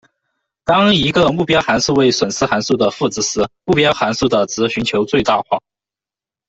当一个目标函数为损失函数的负值时，目标函数的值寻求最大化。